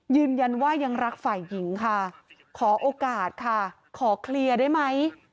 ยืนยันว่ายังรักฝ่ายหญิงค่ะขอโอกาสค่ะขอเคลียร์ได้ไหม